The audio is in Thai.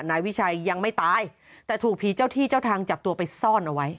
นายวิชัยยังไม่ตายแต่ถูกผีเจ้าที่เจ้าทางจับตัวไปซ่อนเอาไว้